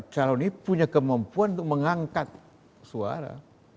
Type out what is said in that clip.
calon ini punya kemampuan untuk mengangkat suara